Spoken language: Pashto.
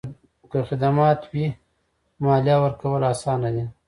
که خدمات وي، مالیه ورکول اسانه دي؟